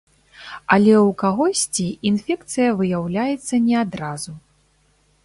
Але ў кагосьці інфекцыя выяўляецца не адразу.